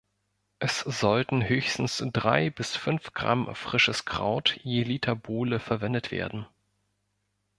Es sollten höchstens drei bis fünf Gramm frisches Kraut je Liter Bowle verwendet werden.